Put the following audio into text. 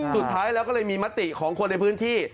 สุดท้ายแล้วก็เลยมีมติของคนในพื้นที่